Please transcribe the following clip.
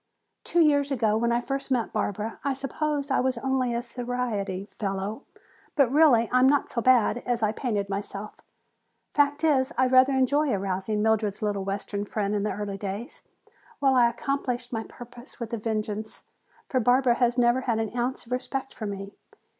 "Two years ago when I first met Barbara I suppose I was only a society fellow, but really I was not so bad as I painted myself. Fact is, I rather enjoyed arousing Mildred's little western friend in the early days. Well, I accomplished my purpose with a vengeance, for Barbara has never had an ounce of respect for me.